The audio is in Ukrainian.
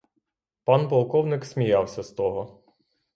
Пан полковник сміявся з того.